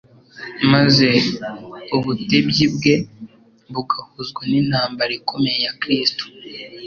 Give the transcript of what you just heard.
maze ubutebyi bwe bugahuzwa n'imbaraga ikomeye ya Kristo.